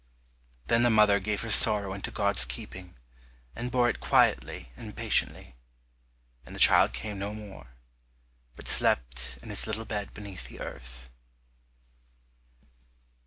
Then the mother gave her sorrow into God's keeping, and bore it quietly and patiently, and the child came no more, but slept in its little bed beneath the earth.